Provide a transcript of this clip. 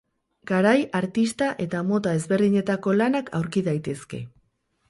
Garai, artista eta mota ezberdinetako lanak aurki daitezke.